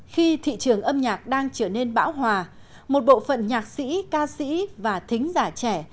khi thị trường âm nhạc đang trở nên bão hòa một bộ phận nhạc sĩ ca sĩ và thính giả trẻ